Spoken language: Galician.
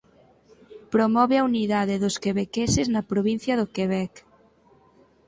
Promove a unidade dos quebequeses na provincia do Quebec.